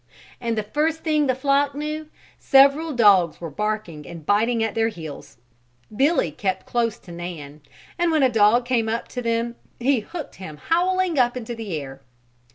And the first thing the flock knew, several dogs were barking and biting at their heels. Billy kept close to Nan and when a dog came up to them he hooked him howling up into the air.